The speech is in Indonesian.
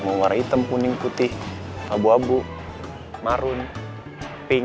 mau warna hitam kuning putih abu abu marun pink